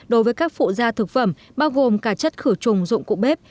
đối với các phụ gia thực phẩm bao gồm cả chất khử trùng dụng cụ bếp